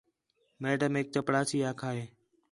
میڈمیک چپڑاسی آکھا ہے